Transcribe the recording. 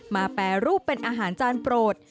แปรรูปเป็นอาหารจานโปรด